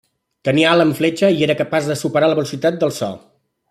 Tenia ala en fletxa i era capaç de superar la velocitat del so.